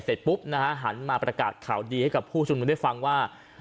เสร็จปุ๊บนะฮะหันมาประกาศข่าวดีให้กับผู้ชุมนุมได้ฟังว่า